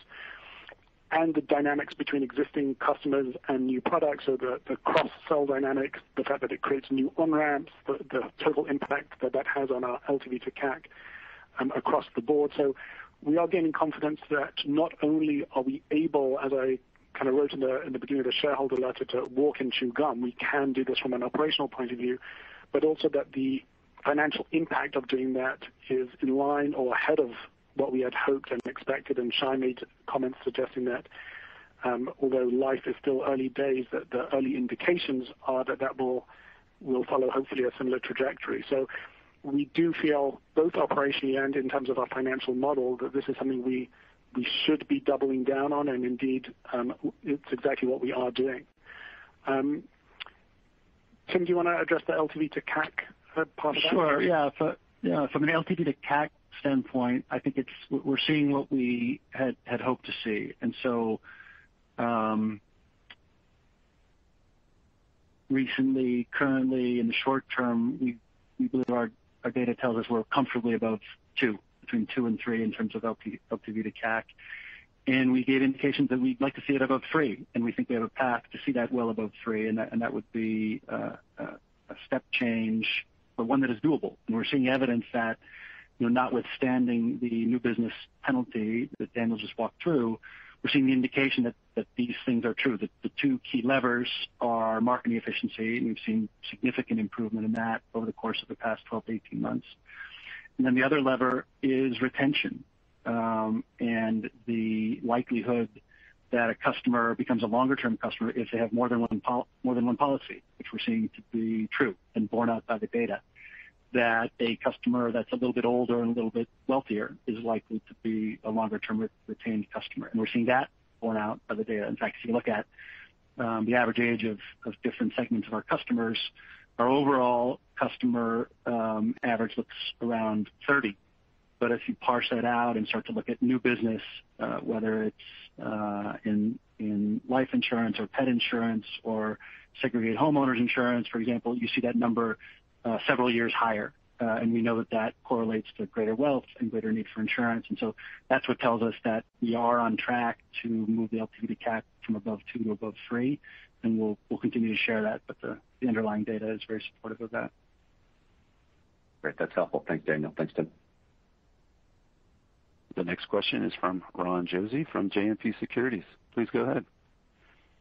and the dynamics between existing customers and new products. The cross-sell dynamics, the fact that it creates new on-ramps, the total impact that that has on our LTV to CAC across the board. We are gaining confidence that not only are we able, as I kind of wrote in the beginning of the shareholder letter, to walk and chew gum, we can do this from an operational point of view, but also that the financial impact of doing that is in line or ahead of what we had hoped and expected, and Shai made comments suggesting that although Life is still early days, that the early indications are that that will follow hopefully a similar trajectory. We do feel both operationally and in terms of our financial model, that this is something we should be doubling down on. Indeed, it's exactly what we are doing. Tim, do you want to address the LTV to CAC part of that? Sure. Yeah. From an LTV to CAC standpoint, I think we're seeing what we had hoped to see. Recently, currently in the short term, we believe our data tells us we're comfortably above two, between two and three in terms of LTV to CAC. We gave indications that we'd like to see it above three, we think we have a path to see that well above three, that would be a step change, one that is doable. We're seeing evidence that notwithstanding the new business penalty that Daniel just walked through, we're seeing the indication that these things are true, that the two key levers are marketing efficiency, we've seen significant improvement in that over the course of the past 12-18 months. The other lever is retention. The likelihood that a customer becomes a longer-term customer if they have more than one policy, which we're seeing to be true and borne out by the data, that a customer that's a little bit older and a little bit wealthier is likely to be a longer-term retained customer. We're seeing that borne out by the data. In fact, if you look at the average age of different segments of our customers, our overall customer average looks around 30. If you parse that out and start to look at new business, whether it's in life insurance or pet insurance or segregated homeowners insurance, for example, you see that number several years higher. We know that that correlates to greater wealth and greater need for insurance. That's what tells us that we are on track to move the LTV to CAC from above two to above three, and we'll continue to share that. The underlying data is very supportive of that. Great. That's helpful. Thanks, Daniel. Thanks, Tim. The next question is from Ron Josey from JMP Securities. Please go ahead.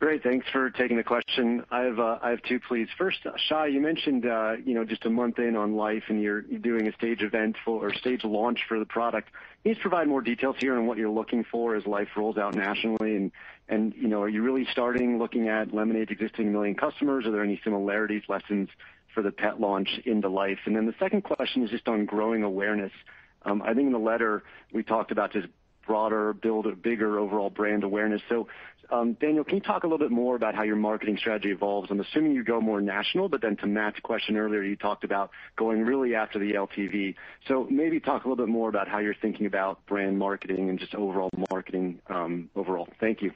Great. Thanks for taking the question. I have two, please. First, Shai, you mentioned just a month in on Life, and you're doing a stage launch for the product. Can you just provide more details here on what you're looking for as Life rolls out nationally? Are you really starting looking at Lemonade's existing 1 million customers? Are there any similarities, lessons for the pet launch into Life? The second question is just on growing awareness. I think in the letter we talked about just broader build, a bigger overall brand awareness. Daniel, can you talk a little bit more about how your marketing strategy evolves? I'm assuming you go more national, to Matt's question earlier, you talked about going really after the LTV. Maybe talk a little bit more about how you're thinking about brand marketing and just overall marketing. Thank you.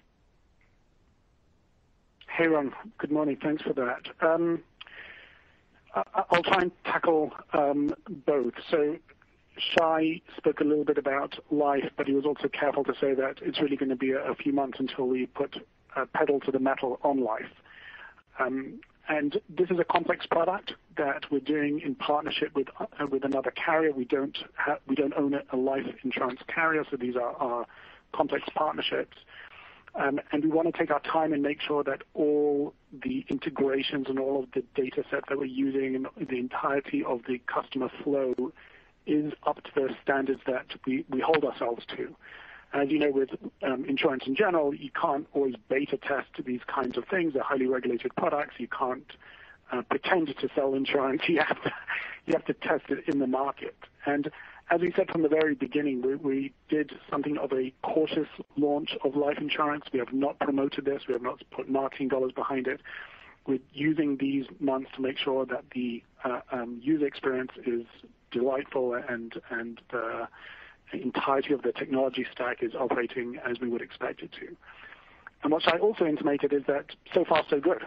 Hey, Ron. Good morning. Thanks for that. I'll try and tackle both. Shai spoke a little bit about Life, but he was also careful to say that it's really going to be a few months until we put pedal to the metal on Life. This is a complex product that we're doing in partnership with another carrier. We don't own a life insurance carrier, these are complex partnerships. We want to take our time and make sure that all the integrations and all of the data sets that we're using and the entirety of the customer flow is up to the standards that we hold ourselves to. As you know, with insurance in general, you can't always beta test these kinds of things. They're highly regulated products. You can't pretend to sell insurance. You have to test it in the market. As we said from the very beginning, we did something of a cautious launch of life insurance. We have not promoted this. We have not put marketing dollars behind it. We're using these months to make sure that the user experience is delightful and the entirety of the technology stack is operating as we would expect it to. What Shai also intimated is that so far so good.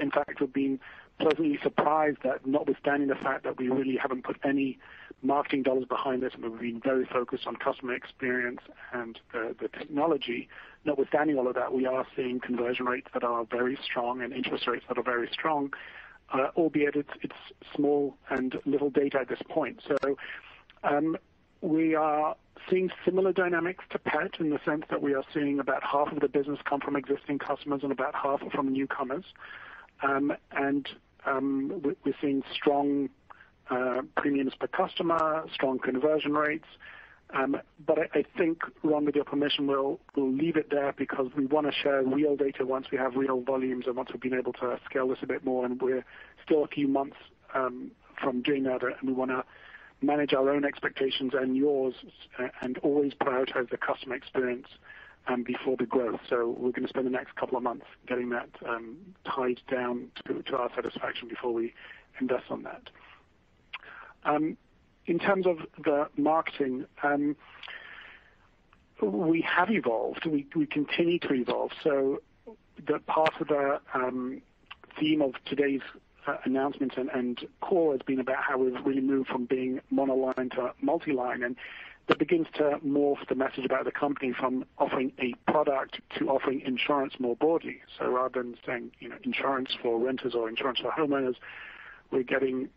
In fact, we've been pleasantly surprised that notwithstanding the fact that we really haven't put any marketing dollars behind this, and we've been very focused on customer experience and the technology, notwithstanding all of that, we are seeing conversion rates that are very strong and interest rates that are very strong. Albeit it's small and little data at this point. We are seeing similar dynamics to pet in the sense that we are seeing about half of the business come from existing customers and about half from newcomers. We're seeing strong premiums per customer, strong conversion rates. I think, Ron, with your permission, we'll leave it there because we want to share real data once we have real volumes and once we've been able to scale this a bit more, and we're still a few months from doing that. We want to manage our own expectations and yours and always prioritize the customer experience before the growth. We're going to spend the next couple of months getting that tied down to our satisfaction before we invest on that. In terms of the marketing, we have evolved, we continue to evolve. The part of the theme of today's announcement and call has been about how we've really moved from being monoline to multi-line, and that begins to morph the message about the company from offering a product to offering insurance more broadly. Rather than saying insurance for renters or insurance for homeowners, we're getting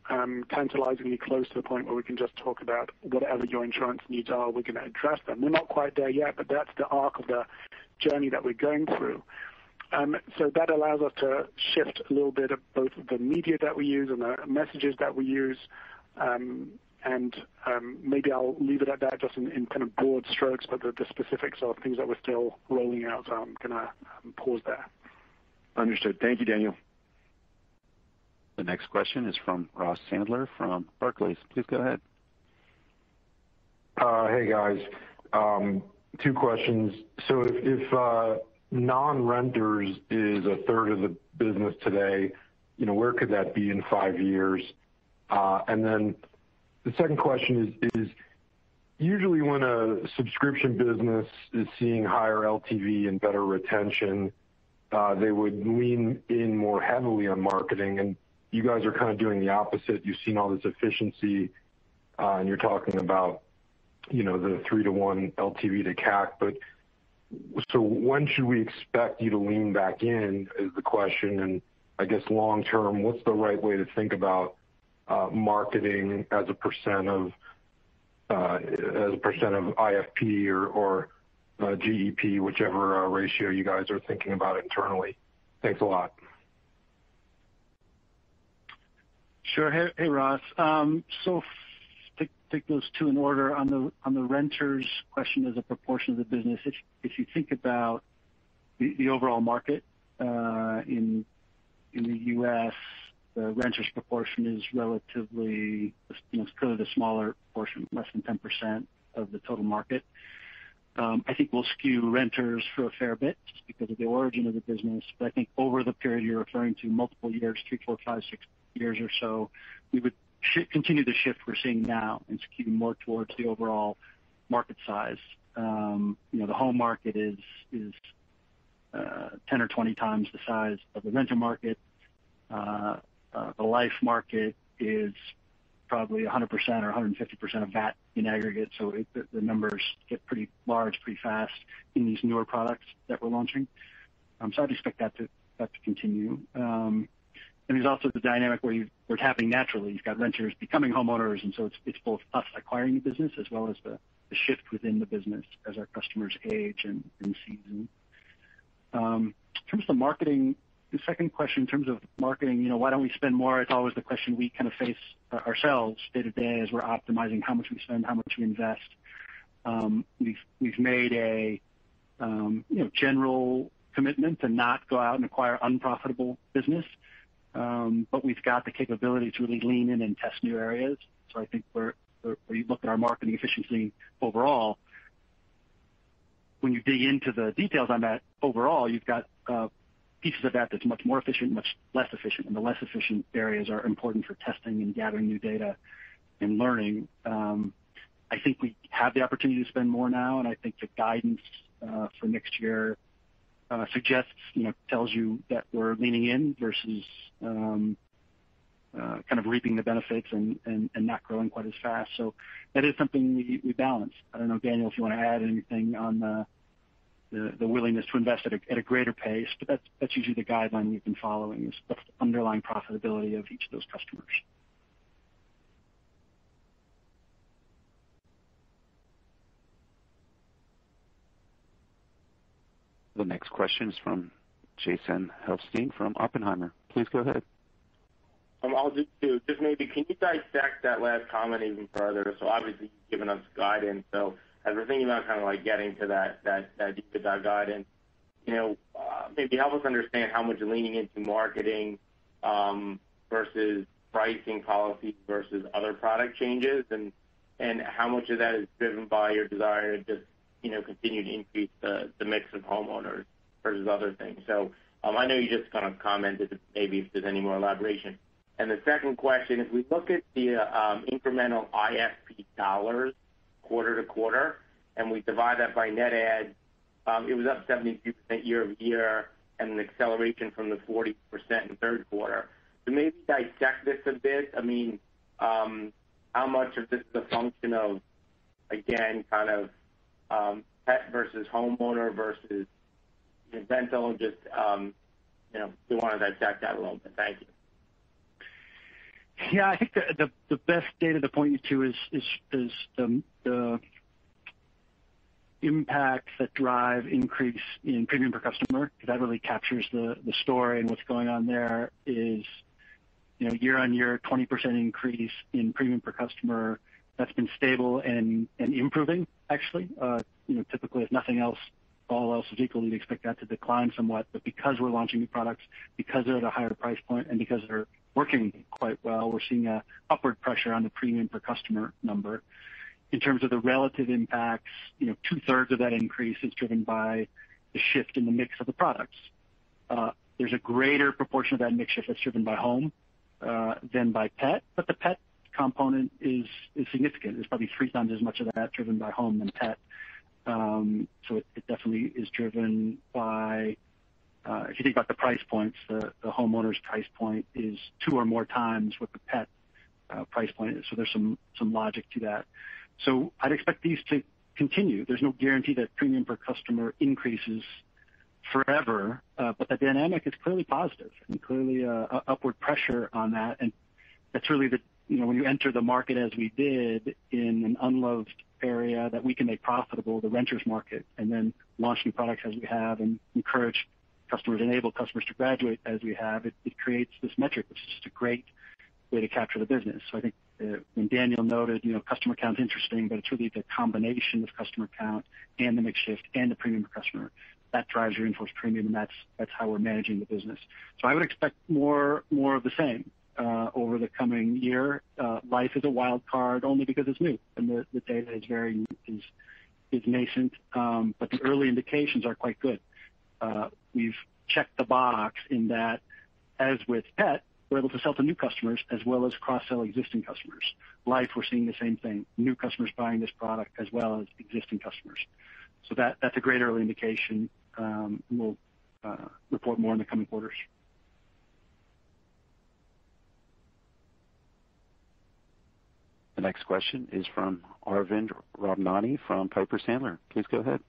tantalizingly close to the point where we can just talk about whatever your insurance needs are, we can address them. We're not quite there yet, but that's the arc of the journey that we're going through. That allows us to shift a little bit of both the media that we use and the messages that we use. Maybe I'll leave it at that, Josey, in kind of broad strokes, but the specifics are things that we're still rolling out, so I'm going to pause there. Understood. Thank you, Daniel. The next question is from Ross Sandler from Barclays. Please go ahead. Hey, guys. Two questions. If non-renters is a third of the business today, where could that be in five years? The second question is usually when a subscription business is seeing higher LTV and better retention, they would lean in more heavily on marketing, and you guys are kind of doing the opposite. You've seen all this efficiency, and you're talking about the three to one LTV to CAC. When should we expect you to lean back in is the question, and I guess long term, what's the right way to think about marketing as a percent of IFP or GEP, whichever ratio you guys are thinking about internally? Thanks a lot. Sure. Hey, Ross. Take those two in order. On the renters question as a proportion of the business, if you think about the overall market in the U.S., the renters proportion is relatively, it's clearly the smaller portion, less than 10% of the total market. I think we'll skew renters for a fair bit just because of the origin of the business. I think over the period you're referring to multiple years, three, four, five, six years or so, we would continue the shift we're seeing now and skew more towards the overall market size. The home market is 10x or 20x the size of the rental market. The life market is probably 100% or 150% of that in aggregate. The numbers get pretty large pretty fast in these newer products that we're launching. I'd expect that to continue. There's also the dynamic where it's happening naturally. You've got renters becoming homeowners, it's both us acquiring the business as well as the shift within the business as our customers age and season. In terms of marketing, the second question in terms of marketing, why don't we spend more? It's always the question we kind of face ourselves day-to-day as we're optimizing how much we spend, how much we invest. We've made a general commitment to not go out and acquire unprofitable business. We've got the capability to really lean in and test new areas. I think where you look at our marketing efficiency overall, when you dig into the details on that, overall, you've got pieces of that that's much more efficient, much less efficient, and the less efficient areas are important for testing and gathering new data and learning. I think we have the opportunity to spend more now, and I think the guidance for next year suggests, tells you that we're leaning in versus kind of reaping the benefits and not growing quite as fast. That is something we balance. I don't know, Daniel, if you want to add anything on the willingness to invest at a greater pace, that's usually the guideline we've been following is the underlying profitability of each of those customers. The next question is from Jason Helfstein from Oppenheimer. Please go ahead. I'll do two. Just maybe can you dissect that last comment even further? Obviously you've given us guidance. As we're thinking about kind of getting to that meat of that guidance, maybe help us understand how much you're leaning into marketing versus pricing policy versus other product changes, and how much of that is driven by your desire to just continue to increase the mix of homeowners versus other things. I know you just kind of commented, but maybe if there's any more elaboration. The second question, if we look at the incremental IFP dollars quarter-to-quarter and we divide that by net add, it was up 72% year-over-year and an acceleration from the 40% in the third quarter. Maybe dissect this a bit. How much of this is a function of, again, kind of pet versus homeowner versus rental and just do want to dissect that a little bit? Thank you. I think the best data to point you to is the impact that drive increase in premium per customer, because that really captures the story and what's going on there is year-over-year, 20% increase in premium per customer that's been stable and improving actually. Typically, if nothing else, all else is equal, you'd expect that to decline somewhat. Because we're launching new products, because they're at a higher price point, and because they're working quite well, we're seeing an upward pressure on the premium per customer number. In terms of the relative impacts, two-thirds of that increase is driven by the shift in the mix of the products. There's a greater proportion of that mix shift that's driven by home, than by pet. The pet component is significant. It's probably 3x as much of that driven by home than pet. It definitely is driven by if you think about the price points, the homeowners price point is 2x or more what the pet price point is. There's some logic to that. I'd expect these to continue. There's no guarantee that premium per customer increases forever. The dynamic is clearly positive and clearly upward pressure on that. That's really when you enter the market as we did in an unloved area that we can make profitable, the renters market, and then launch new products as we have and encourage customers, enable customers to graduate as we have, it creates this metric which is just a great way to capture the business. I think when Daniel noted customer count interesting, but it's really the combination of customer count and the mix shift and the premium per customer that drives your in force premium. That's how we're managing the business. I would expect more of the same over the coming year. Life is a wild card only because it's new and the data is very nascent. The early indications are quite good. We've checked the box in that as with pet, we're able to sell to new customers as well as cross-sell existing customers. Life, we're seeing the same thing, new customers buying this product as well as existing customers. That's a great early indication. We'll report more in the coming quarters. The next question is from Arvind Ramnani from Piper Sandler. Please go ahead.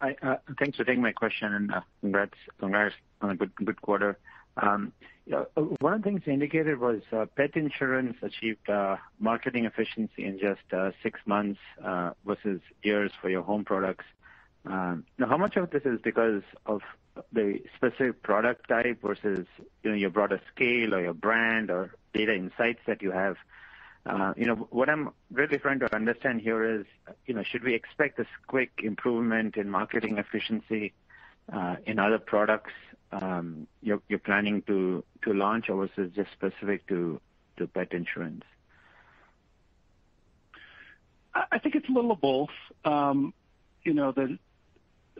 Hi, thanks for taking my question and congrats on a good quarter. One of the things indicated was pet insurance achieved marketing efficiency in just six months, versus years for your home products. How much of this is because of the specific product type versus your broader scale or your brand or data insights that you have? What I'm really trying to understand here is should we expect this quick improvement in marketing efficiency in other products you're planning to launch or was it just specific to pet insurance? I think it's a little of both.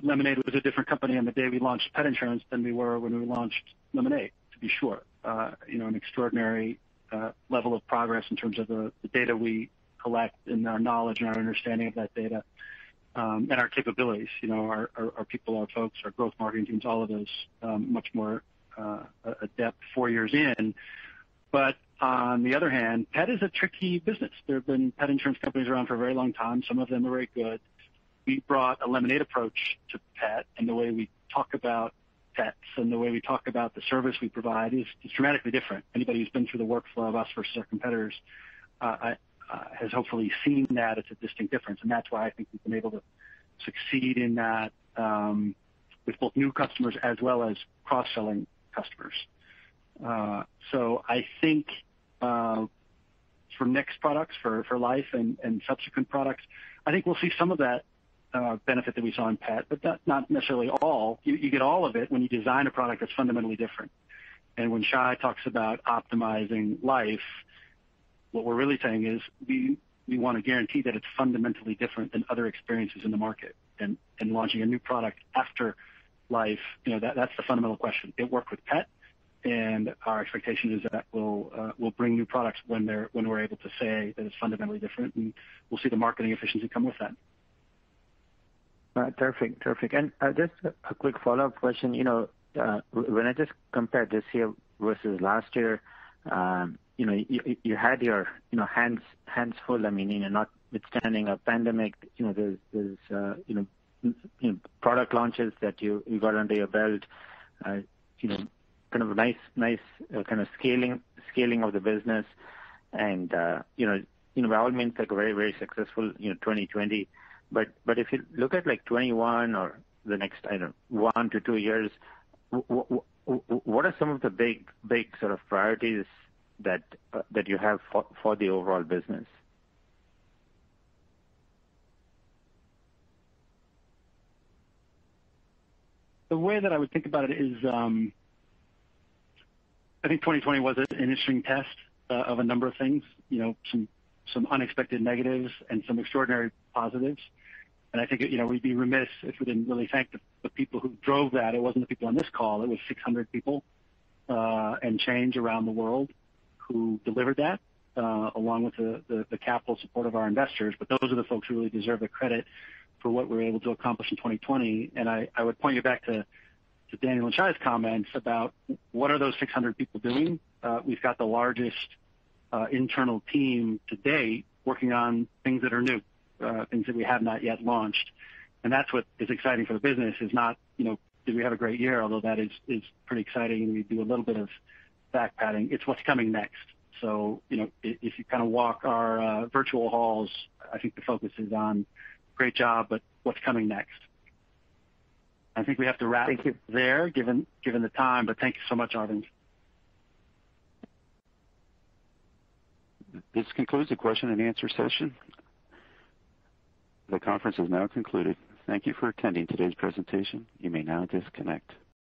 Lemonade was a different company on the day we launched pet insurance than we were when we launched Lemonade, to be sure. An extraordinary level of progress in terms of the data we collect and our knowledge and our understanding of that data, and our capabilities. Our people, our folks, our growth marketing teams, all of those much more adept four years in. On the other hand, pet is a tricky business. There have been pet insurance companies around for a very long time. Some of them are very good. We brought a Lemonade approach to pet, and the way we talk about pets and the way we talk about the service we provide is dramatically different. Anybody who's been through the workflow of us versus our competitors has hopefully seen that it's a distinct difference. That's why I think we've been able to succeed in that with both new customers as well as cross-selling customers. I think for next products, for Life and subsequent products, I think we'll see some of that benefit that we saw in pet, but not necessarily all. You get all of it when you design a product that's fundamentally different. When Shai talks about optimizing Life, what we're really saying is we want to guarantee that it's fundamentally different than other experiences in the market and launching a new product after Life. That's the fundamental question. It worked with pet. Our expectation is that we'll bring new products when we're able to say that it's fundamentally different, and we'll see the marketing efficiency come with that. All right. Perfect. Just a quick follow-up question. When I just compared this year versus last year, you had your hands full. I mean, notwithstanding a pandemic, there's product launches that you got under your belt, kind of a nice scaling of the business. By all means, like a very successful 2020. If you look at 2021 or the next, I don't know, one to two years, what are some of the big sort of priorities that you have for the overall business? The way that I would think about it is, I think 2020 was an interesting test of a number of things. Some unexpected negatives and some extraordinary positives. I think we'd be remiss if we didn't really thank the people who drove that. It wasn't the people on this call. It was 600 people and change around the world who delivered that, along with the capital support of our investors. Those are the folks who really deserve the credit for what we were able to accomplish in 2020. I would point you back to Daniel and Shai's comments about what are those 600 people doing. We've got the largest internal team to date working on things that are new, things that we have not yet launched. That's what is exciting for the business is not did we have a great year, although that is pretty exciting, and we do a little bit of back patting. It's what's coming next. If you kind of walk our virtual halls, I think the focus is on great job, but what's coming next. I think we have to wrap it there given the time. Thank you so much, Arvind. This concludes the question and answer session. The conference has now concluded. Thank you for attending today's presentation. You may now disconnect.